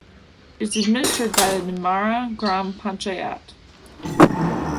It is administrated by the Nemmara gram panchayat.